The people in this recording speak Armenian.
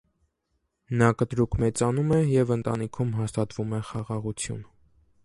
Նա կտրուկ մեծանում է և ընտանիքում հաստատվում է խաղաղություն։